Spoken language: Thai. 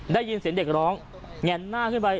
ได้ยินเสียงเด็กร้องแง่นหน้าขึ้นไป